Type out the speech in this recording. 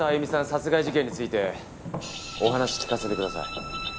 殺害事件についてお話聞かせてください。